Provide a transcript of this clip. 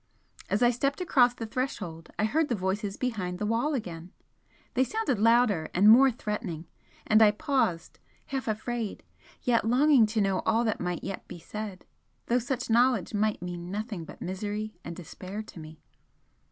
As I stepped across the threshold I heard the voices behind the wall again they sounded louder and more threatening, and I paused, half afraid, yet longing to know all that might yet be said, though such knowledge might mean nothing but misery and despair to me.